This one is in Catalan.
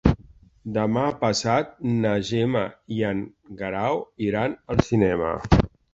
Demà passat na Gemma i en Guerau iran al cinema.